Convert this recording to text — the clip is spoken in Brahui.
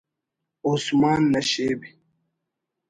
عثمان نشیب